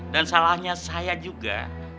dan salahnya saya juga